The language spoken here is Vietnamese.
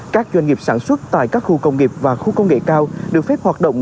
các doanh nghiệp sản xuất tại các khu công nghiệp và khu công nghệ cao được phép hoạt động